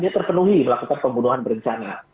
dia terpenuhi melakukan pembunuhan berencana